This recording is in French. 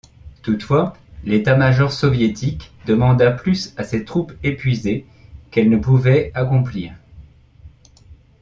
Toutefois, l'état-major soviétique demanda plus à ses troupes épuisées qu'elles ne pouvaient accomplir.